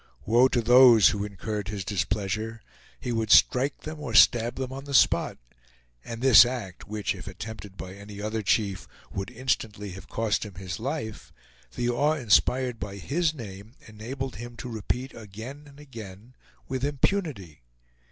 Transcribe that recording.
Woe to those who incurred his displeasure! He would strike them or stab them on the spot; and this act, which, if attempted by any other chief, would instantly have cost him his life, the awe inspired by his name enabled him to repeat again and again with impunity.